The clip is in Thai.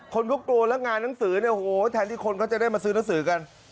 คนก็กลัวแล้วงานหนังสือเนี่ยโหแทนที่คนเขาจะได้มาซื้อหนังสือกัน